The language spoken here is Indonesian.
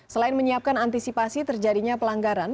selain menyiapkan antisipasi terjadinya pelanggaran